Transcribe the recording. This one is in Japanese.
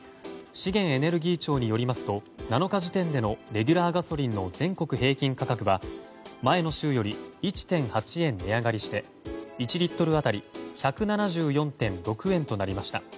資源エネルギー庁によりますと７日時点でのレギュラーガソリンの全国平均価格は前の週より１．８円値上がりして１リットル当たり１７４．６円となりました。